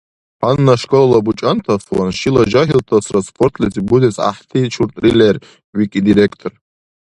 — Гьанна школала бучӀантасван шила жагьилтасра спортлизиб бузес гӀяхӀти шуртӀри лер, — викӀи директор.